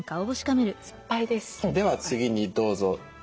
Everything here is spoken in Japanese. では次にどうぞ。